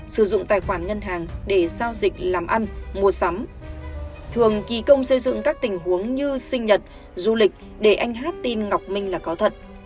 sử dụng tài khoản ngân hàng để giao dịch làm ăn mua sắm thường kỳ công xây dựng các tình huống như sinh nhật du lịch để anh hát tin ngọc minh là có thật